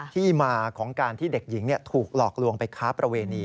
ที่มาของการที่เด็กหญิงถูกหลอกลวงไปค้าประเวณี